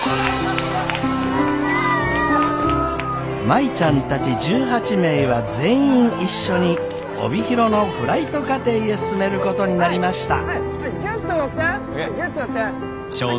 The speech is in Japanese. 舞ちゃんたち１８名は全員一緒に帯広のフライト課程へ進めることになりました。